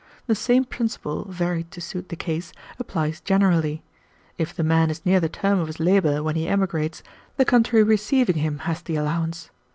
The same principle, varied to suit the case, applies generally. If the man is near the term of his labor when he emigrates, the country receiving him has the allowance.